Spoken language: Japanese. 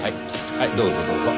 はいどうぞどうぞ。